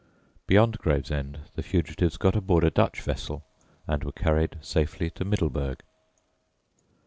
Beyond Gravesend the fugitives got aboard a Dutch vessel and were carried safely to Middleburg.